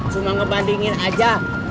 cuma ngebandingin aja